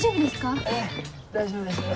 大丈夫ですか？